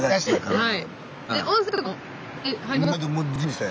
はい。